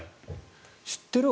知ってる？